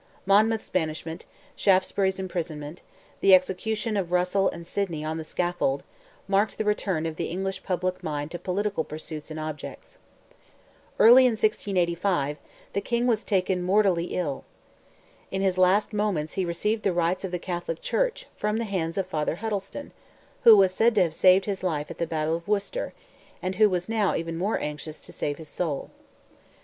Monmouth's banishment, Shaftesbury's imprisonment, the execution of Russell and Sidney on the scaffold, marked the return of the English public mind to political pursuits and objects. Early in 1685, the king was taken mortally ill. In his last moments he received the rites of the Catholic church, from the hands of Father Huddleston, who was said to have saved his life at the battle of Worcester, and who was now even more anxious to save his soul.